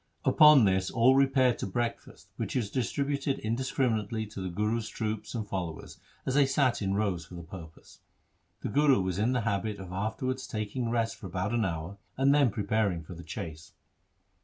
Upon this all repaired to breakfast which was distributed indiscriminately to the Guru's troops and followers as they sat in rows for the pur pose. The Guru was in the habit of afterwards taking rest for about an hour and then preparing for the chase.